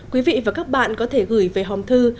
quý vị và các bạn có thể gửi về hòm thư